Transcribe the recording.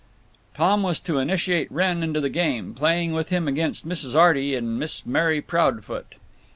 Tom was to initiate Mr. Wrenn into the game, playing with him against Mrs. Arty and Miss Mary Proudfoot.